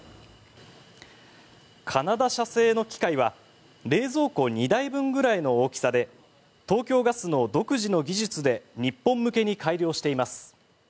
カナダ社製の機械は冷蔵庫２台分くらいの大きさで東京ガスの独自の技術で日本向けに改良しています。